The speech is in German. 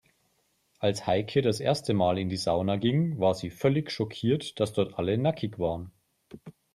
Als Heike das erste Mal in die Sauna ging, war sie völlig schockiert, dass dort alle nackig waren.